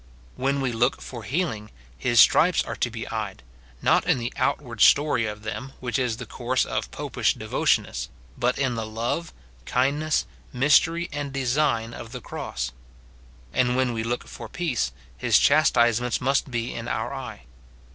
When we look for healing, his stripes are to be eyed, — not in the outward story of them, which is the course of popish devotionists, but in the love, kindness, mystery, and design of the cross ; and when we look for peace, his chastisements must be in our eye.